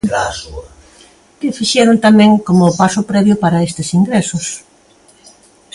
¿Que fixeron tamén como paso previo para estes ingresos?